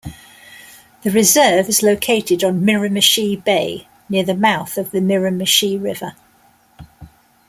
The reserve is located on Miramichi Bay, near the mouth of the Miramichi River.